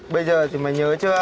bây giờ thì mày nhớ chưa